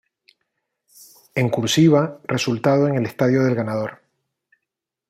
En "cursiva", resultado en el estadio del ganador.